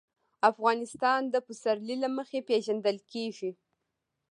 افغانستان د پسرلی له مخې پېژندل کېږي.